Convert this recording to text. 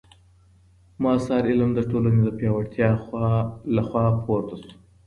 معاصر علم د ټولني د پیاوړتیا له خوا راپورته سو.